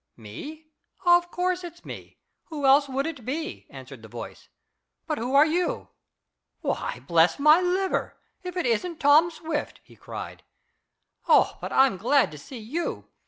"Me? Of course it's me! Who else would it be?" answered the voice. "But who are you. Why, bless my liver! If it isn't Tom Swift!" he cried. "Oh, but I'm glad to see you!